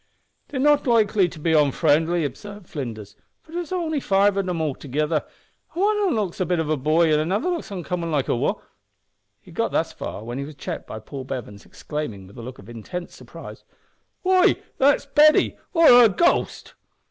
"They're not likely to be onfriendly," observed Flinders, "for there's only five o' them altogither, an' wan o' them's only a bit of a boy an' another looks uncommon like a wo " He had got thus far when he was checked by Paul Bevan's exclaiming, with a look of intense surprise, "Why, that's Betty! or her ghost!"